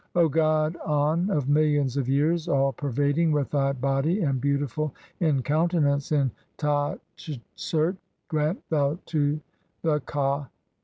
"O god An of millions of years, (10) all pervading with thy body "and beautiful in countenance in Ta tchesert, grant thou to the u Ka